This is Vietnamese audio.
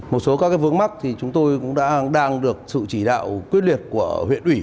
một số các vướng mắt thì chúng tôi cũng đang được sự chỉ đạo quyết liệt của huyện ủy